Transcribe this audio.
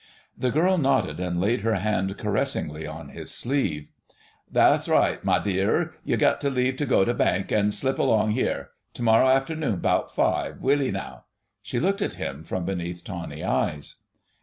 The girl nodded, and laid her hand caressingly on his sleeve. "Tha's right, mai dear. Yu get leave tu go tu bank, an' slip along 'ere. Tu morrow afternoon 'bout five—will 'ee now?" She looked at him from beneath tawny lashes.